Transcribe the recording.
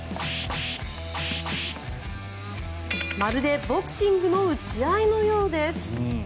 まるでボクシングの打ち合いのようです。